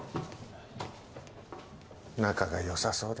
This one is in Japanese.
仲が良さそうで。